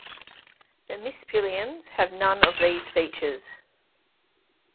The "Mispillions" have none of these features.